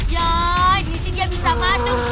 ya disini dia bisa masuk